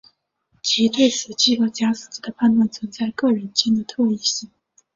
即对死机和假死机的判断存在各人间的特异性。